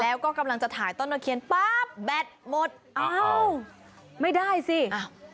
แล้วก็กำลังจะถ่ายต้นตะเคียนป๊าบแบตหมดอ้าวไม่ได้สิอ้าว